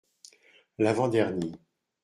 L’avant-dernier.